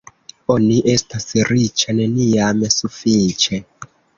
Oni estas riĉa neniam sufiĉe.